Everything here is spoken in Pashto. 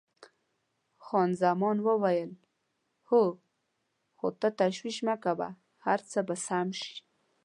خان زمان وویل: هو، خو ته تشویش مه کوه، هر څه به سم شي.